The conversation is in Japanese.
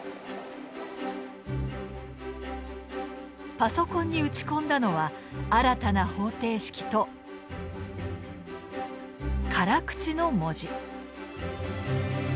パソコンに打ち込んだのは新たな方程式と「辛口」の文字。